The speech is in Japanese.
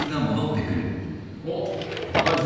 おっ高木さん